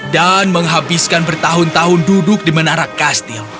dan menghabiskan bertahun tahun duduk di menara kastil